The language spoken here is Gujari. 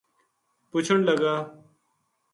پُچھن لگا